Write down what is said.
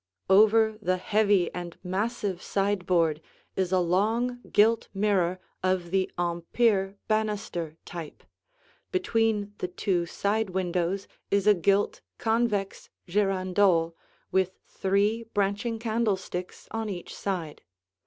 Over the heavy and massive sideboard is a long gilt mirror of the Empire "banister" type; between the two side windows is a gilt, convex girandole with three branching candlesticks on each side.